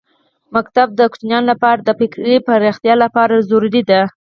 ښوونځی د ماشومانو لپاره د فکري پراختیا لپاره ضروری دی.